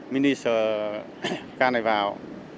minister can này vào